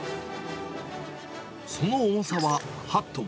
その重さは８トン。